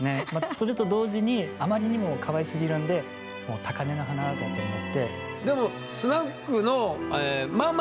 それと同時にあまりにもかわいすぎるんでもう高根の花だと思って。